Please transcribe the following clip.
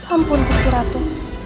ampun gusti ratu